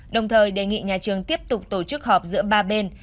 đồng thời đề nghị nhà trường tiếp tục tổ chức họp giữa ba bên